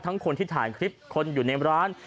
คนที่ถ่ายคลิปคนอยู่ในร้าน